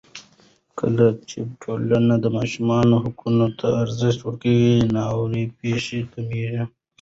کله چې ټولنه د ماشومانو حقونو ته ارزښت ورکړي، ناوړه پېښې کمېږي.